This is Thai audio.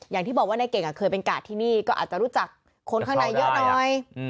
อย่างที่บอกว่าในเก่งเคยเป็นกาดที่นี่ก็อาจจะรู้จักคนข้างในเยอะหน่อย